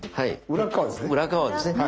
裏側ですね。